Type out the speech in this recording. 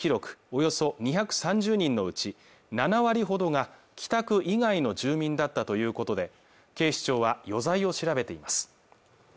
およそ２３０人のうち７割ほどが北区以外の住民だったということで警視庁は余罪を調べています